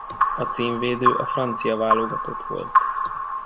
A címvédő a francia válogatott volt.